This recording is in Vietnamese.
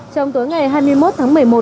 trong tối ngày hai mươi một tháng một mươi một